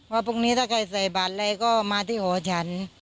พรุ่งนี้ถ้าใครใส่บาทอะไรก็มาที่หอฉัน